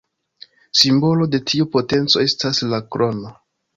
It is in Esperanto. Simbolo de tiu potenco estas la krono.